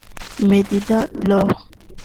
Medida law